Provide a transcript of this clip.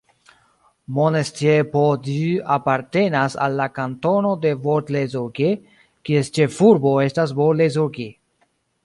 Monestier-Port-Dieu apartenas al la kantono de Bort-les-Orgues, kies ĉefurbo estas Bort-les-Orgues.